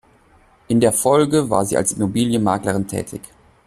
In der Folge war sie als Immobilienmaklerin tätig.